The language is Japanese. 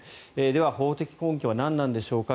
では、法的根拠は何なんでしょうか。